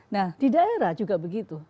nah di daerah juga begitu